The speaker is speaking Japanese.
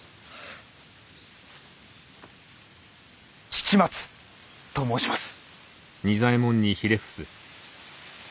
七松と申します。